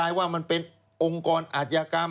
แล้วที่ผมบรรยายเป็นองค์กรอาชกรรม